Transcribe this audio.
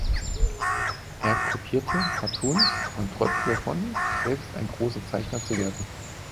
Er kopierte Cartoons und träumte davon, selbst ein großer Zeichner zu werden.